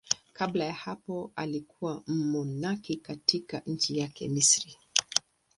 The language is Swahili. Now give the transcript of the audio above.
Kabla ya hapo alikuwa mmonaki katika nchi yake, Misri.